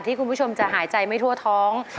คุณผู้ชมจะหายใจไม่ทั่วท้อง